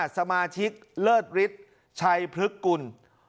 สมาชิกเลิศฤทธิ์ชัยพฤกุล